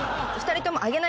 ２人とも。